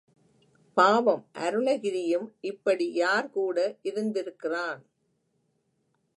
பாவம் அருணகிரியும் இப்படி யார் கூட இருந்திருக்கிறான்.